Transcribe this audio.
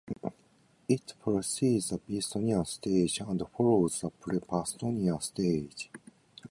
It precedes the Beestonian Stage and follows the Pre-Pastonian Stage.